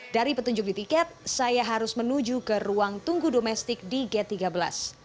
dari petunjuk di tiket saya harus menuju ke ruang tunggu domestik di gate tiga belas